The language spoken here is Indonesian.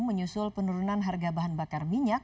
menyusul penurunan harga bahan bakar minyak